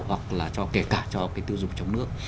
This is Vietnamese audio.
hoặc là kể cả cho tư dụng chống nước